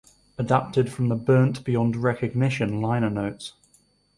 Adapted from the "Burnt Beyond Recognition" liner notes.